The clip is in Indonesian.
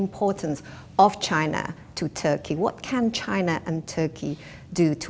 apa yang bisa china dan turki lakukan untuk bekerja bersama